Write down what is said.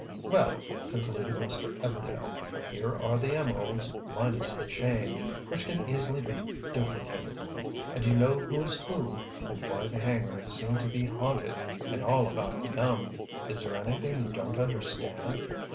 "Well," concluded Mr. Everdail, "here are the emeralds, minus the chain, which can easily be duplicated. And you know who's who, and why the hangar seemed to be haunted, and all about the gum. Is there anything you don't understand?